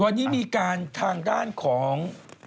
วันนี้มีการทางด้านของ